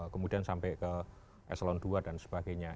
kemudian sampai ke eselon dua dan sebagainya